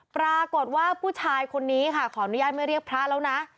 ปรากฏว่าผู้ชายคนนี้ค่ะขออนุญาตไม่เรียกพระแล้วนะ